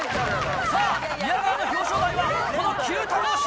さぁ宮川の表彰台はこのＱ太郎次第。